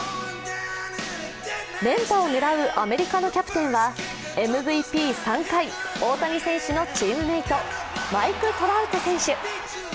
連覇を狙うアメリカのキャプテンはＭＶＰ３回大谷選手のチームメート、マイク・トラウト選手。